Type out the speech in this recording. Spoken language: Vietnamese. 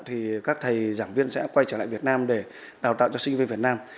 thì các thầy giảng viên sẽ quay trở lại việt nam để đào tạo cho sinh viên việt nam